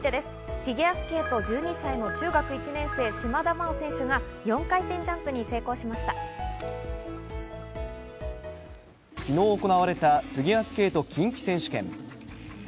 フィギュアスケート、１２歳の中学１年生、島田麻央選手が４回転ジャンプに昨日行われたフィギュアスケート近畿選手権。